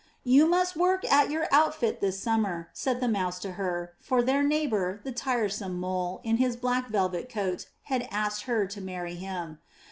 "You must work at your outfit this summer," said the mouse to her, for their neighbour, the tiresome Mole in his black velvet coat, had asked her to marry him.